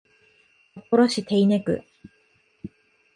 札幌市手稲区